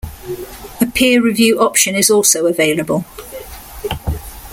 A peer-review option is also available.